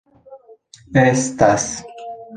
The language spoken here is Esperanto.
estas